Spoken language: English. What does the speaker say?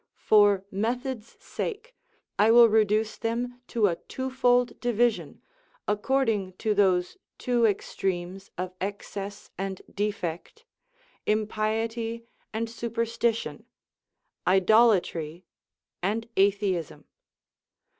For method's sake I will reduce them to a twofold division, according to those two extremes of excess and defect, impiety and superstition, idolatry and atheism.